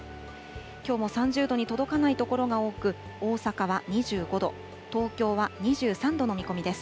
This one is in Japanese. きょうも３０度に届かない所が多く、大阪は２５度、東京は２３度の見込みです。